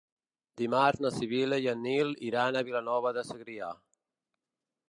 Dimarts na Sibil·la i en Nil iran a Vilanova de Segrià.